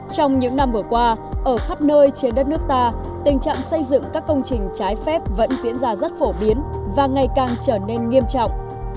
trong những năm vừa qua ở khắp nơi trên đất nước ta tình trạng xây dựng các công trình trái phép vẫn diễn ra rất phổ biến và ngày càng trở nên nghiêm trọng